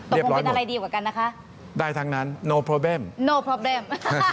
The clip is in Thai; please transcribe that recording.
เรียบร้อยหมดได้ทั้งนั้นโนโปรแบมม์โนโปรแบมม์